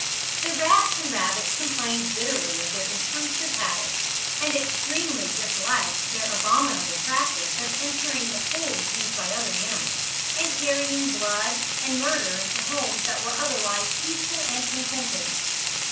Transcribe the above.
The rats and rabbits complained bitterly of their intrusive habits, and extremely disliked their abominable practice of entering the holes used by other animals, and carrying blood and murder into homes that were otherwise peaceful and contented.